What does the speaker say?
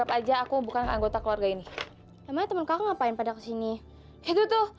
masih nyeri nyeri sedikit